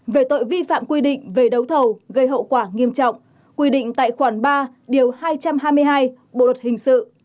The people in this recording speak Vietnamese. về tội vi phạm quy định về đấu thầu gây hậu quả nghiêm trọng quy định tại khoản ba điều hai trăm hai mươi hai bộ luật hình sự